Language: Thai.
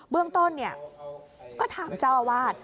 เบื้องต้นก็ถามเจ้าวาด